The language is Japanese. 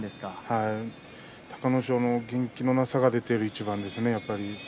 隆の勝の元気のなさが出ている一番ですね、やっぱり。